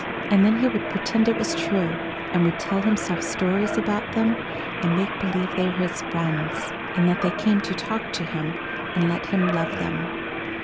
And then he would pretend it was true, and would tell himself stories about them, and make believe they were his friends, and that they came to talk to him and let him love them.